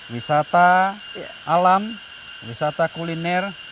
wisata alam wisata kuliner